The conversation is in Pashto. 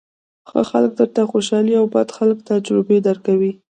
ښه خلک درته خوشالۍ او بد خلک تجربې درکوي.